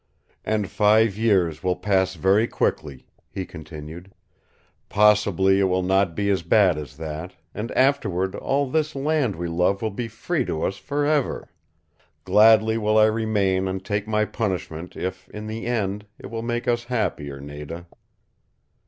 "And five years will pass very quickly," he continued. "Possibly it will not be as bad as that, and afterward all this land we love will be free to us forever. Gladly will I remain and take my punishment if in the end it will make us happier, Nada."